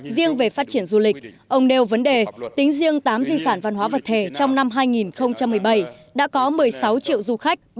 riêng về phát triển du lịch ông nêu vấn đề tính riêng tám di sản văn hóa vật thể trong năm hai nghìn một mươi bảy đã có một mươi sáu triệu du khách